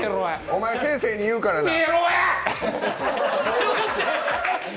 おまえ、先生に言うからな。